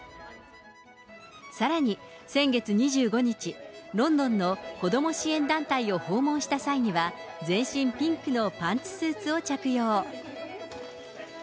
さらに先月２５日、ロンドンの子ども支援団体を訪問した際には、全身ピンクのパンツスーツを着用。